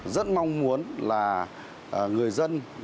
rất mong muốn là người dân